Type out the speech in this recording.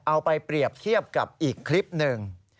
เอาไปเปรียบเทียบกับอีกคลิปหนึ่ง